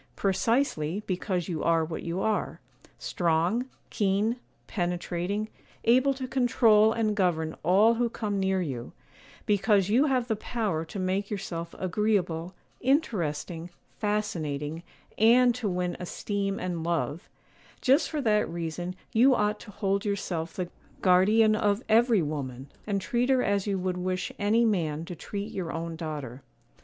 Precisely, because you are what you are,—strong, keen, penetrating, able to control and govern all who come near you; because you have the power to make yourself agreeable, interesting, fascinating, and to win esteem and love,—just for that reason you ought to hold yourself the guardian of every woman, and treat her as you would wish any man to treat your own daughter.